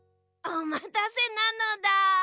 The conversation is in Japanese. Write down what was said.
おまたせなのだ。